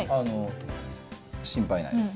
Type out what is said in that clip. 心配ないですね。